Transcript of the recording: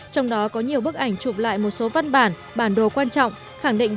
trong đó có nhiều bức ảnh chụp lại một số văn bản bản đồ quan trọng khẳng định